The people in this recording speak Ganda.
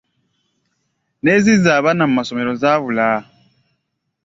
N’ezizza abaana mu ssomero zaabula.